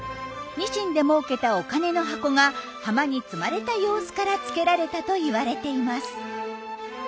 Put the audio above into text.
ニシンでもうけたお金の箱が浜に積まれた様子から付けられたといわれています。